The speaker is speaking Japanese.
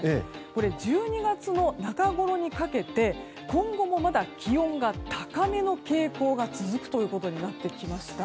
これ、１２月の中ごろにかけて今後もまだ気温が高めの傾向が続くということになってきました。